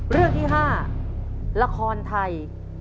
เรื่องที่๕ละครไทย